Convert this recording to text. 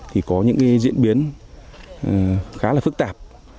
thì có những diễn biến khá là phức tạp